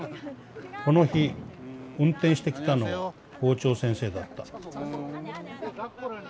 この日運転してきたのは校長先生だった」。